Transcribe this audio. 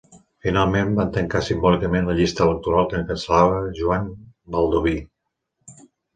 Finalment va tancar simbòlicament la llista electoral que encapçalava Joan Baldoví.